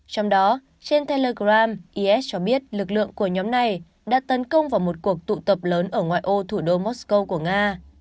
trong đó trên telegram is cho biết lực lượng của nhóm này đã tấn công vào một cuộc tụ tập lớn ở ngoại ô thủ đô mosco của nga